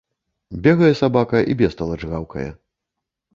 Бегае сабака і бесталач гаўкае.